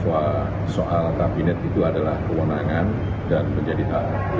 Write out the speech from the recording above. partai ahmad nasional menilai bahwa soal kabinet itu adalah kewenangan dan menjadi hal